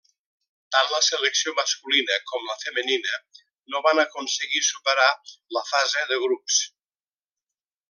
Tant la selecció masculina com la femenina no van aconseguir superar la fase de grups.